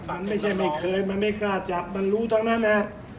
มันไม่ใช่ไม่เคยมันไม่กล้าจับมันรู้ทั้งนั้นนะ